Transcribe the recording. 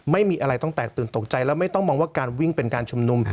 ไม่มีอะไรต้องแตกตื่นตกใจแล้วไม่ต้องมองว่าการวิ่งเป็นการชุมนุม